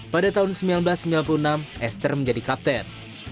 pada tahun seribu sembilan ratus sembilan puluh enam esther menjadi kapten